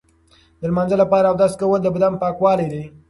د لمانځه لپاره اودس کول د بدن پاکوالی دی.